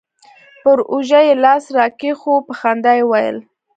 پر اوږه يې لاس راكښېښوو په خندا يې وويل.